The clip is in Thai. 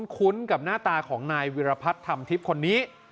คุ้นกับหน้าตาของนายวิรพัฒน์ธรรมทิพย์คนนี้